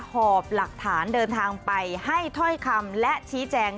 หอบหลักฐานเดินทางไปให้ถ้อยคำและชี้แจง